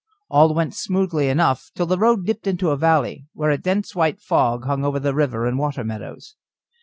All went smoothly enough till the road dipped into a valley, where a dense white fog hung over the river and the water meadows.